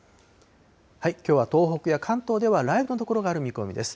きょうは東北や関東では雷雨の所がある見込みです。